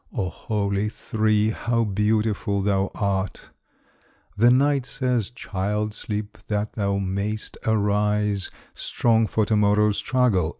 O holy three! how beautiful thou art! The Night says, "Child, sleep that thou may'st arise Strong for to morrow's struggle."